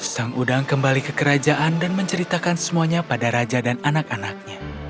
sang udang kembali ke kerajaan dan menceritakan semuanya pada raja dan anak anaknya